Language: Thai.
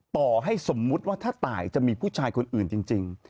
ต่อให้สมมุติว่าถ้าตายจะมีผู้ชายคนอื่นจริง